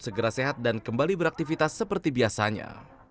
segera sehat dan kembali beraktivitas seperti biasanya